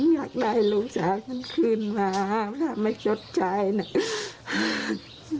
อยากได้ลูกสาวฉันคืนมาทำให้ชดใจน่ะ